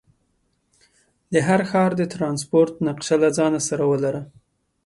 د هر ښار د ټرانسپورټ نقشه له ځان سره ولره.